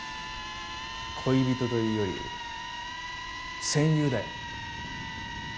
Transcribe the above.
恋人というより戦友だよ。